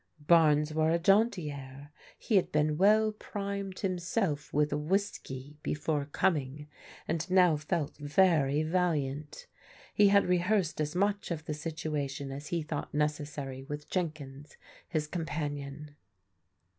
Barnes wore a jaunty air. He had well primed him self with whiskey before coming, and now felt very valiant. He had rehearsed as much of the situation as he thought necessary with Jenkins, his companion.